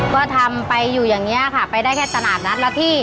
ก็ทำไปอยู่อย่างนี้ค่ะไปได้แค่ตลาดนัดละที่